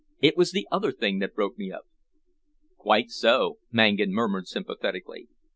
It was the other thing that broke me up." "Quite so," Mangan murmured sympathetically.